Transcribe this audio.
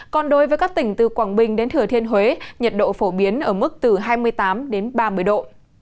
còn đối với các tỉnh từ quảng bình đến thừa thiên huế nhiệt độ phổ biến ở mức từ hai mươi tám đến ba mươi độ